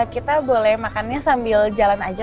kita boleh makannya sambil jalan aja